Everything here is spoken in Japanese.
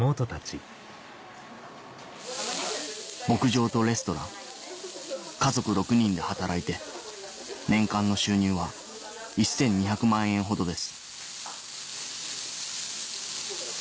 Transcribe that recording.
牧場とレストラン家族６人で働いて年間の収入は１２００万円ほどです